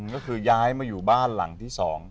ก็คือย้ายมาอยู่บ้านหลังที่๒